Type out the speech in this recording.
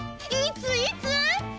いついつ？